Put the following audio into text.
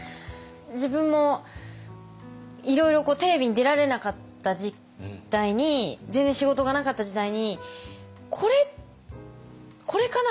自分もいろいろテレビに出られなかった時代に全然仕事がなかった時代に「これかな？